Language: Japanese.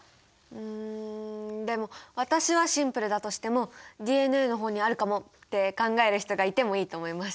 うんでも私はシンプルだとしてもＤＮＡの方にあるかもって考える人がいてもいいと思います。